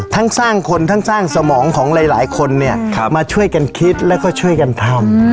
ทั้งสร้างคนทั้งสร้างสมองของหลายคนเนี่ยมาช่วยกันคิดแล้วก็ช่วยกันทำ